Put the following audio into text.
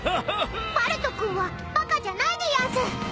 ［バルト君はバカじゃないでやんす］